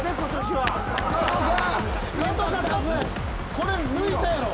これ抜いたやろ。